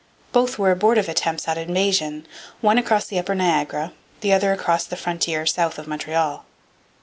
Both were abortive attempts at invasion one across the upper Niagara, the other across the frontier south of Montreal.